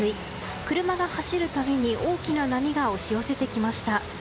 車が走るたびに大きな波が押し寄せてきました。